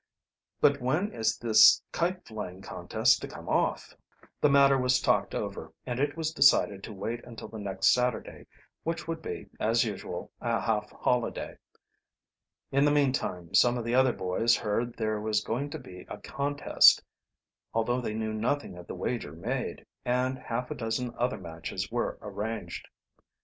"But when is this kite flying contest to come off?" The matter was talked over, and it was decided to wait until the next Saturday, which would be, as usual, a half holiday. In the meantime some of the other boys heard there was going to be a contest, although they knew nothing of the wager made, and half a dozen other matches were arranged.